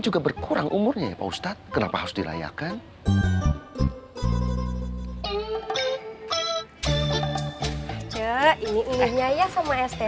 juga berkurang umurnya ya pak ustadz kenapa harus dilayakkan ya ini ini biaya sama st nya